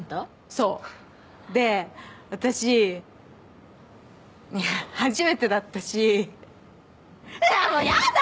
そうで私初めてだったしああーもうやだ！